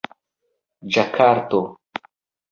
ĝakarto